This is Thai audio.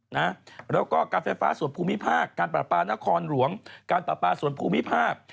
แล้วก็การไฟฟ้าส่วนภูมิภาคการปราปานครหลวงการปราปาส่วนภูมิภาค